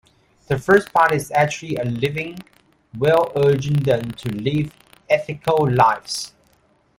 The first part is actually a living will urging them to live ethical lives.